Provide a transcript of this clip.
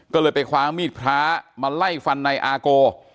ก็เลยไปคร้างมีดพล้ามาไล่ฟันในอาโก